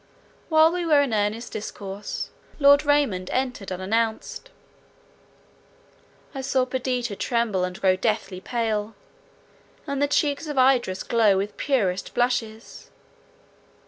While we were in earnest discourse, Lord Raymond entered unannounced: I saw Perdita tremble and grow deadly pale, and the cheeks of Idris glow with purest blushes.